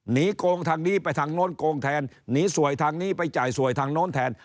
โกงทางนี้ไปทางโน้นโกงแทนหนีสวยทางนี้ไปจ่ายสวยทางโน้นแทน